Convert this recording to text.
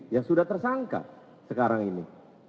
yang sudah tersangka sekarang ini